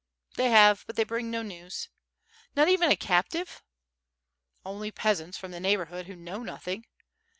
^* "They have, but they bring no news." "Not even a captive?" "Only peasants from the neighborhood who know noth ing."